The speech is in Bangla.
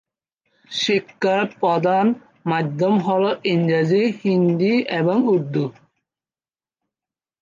শিক্ষার প্রধান মাধ্যম হ'ল ইংরেজি, হিন্দি এবং উর্দু।